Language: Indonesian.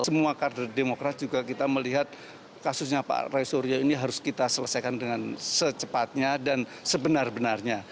semua kader demokrat juga kita melihat kasusnya pak roy suryo ini harus kita selesaikan dengan secepatnya dan sebenar benarnya